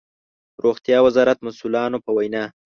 د روغتيا وزارت مسؤلانو په وينا